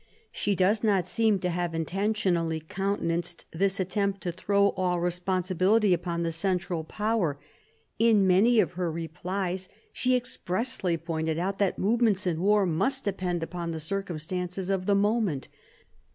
She does not seem to have intention ally countenanced this attempt to throw all responsibility upon the central power. In many of her replies she expressly pointed out that movements in war must depend upon the circumstances of the moment.